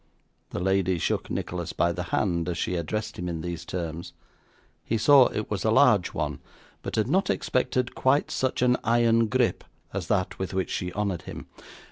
The lady shook Nicholas by the hand as she addressed him in these terms; he saw it was a large one, but had not expected quite such an iron grip as that with which she honoured him.